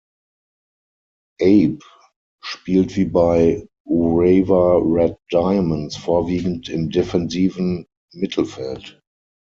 Abe spielt wie bei Urawa Red Diamonds vorwiegend im defensiven Mittelfeld.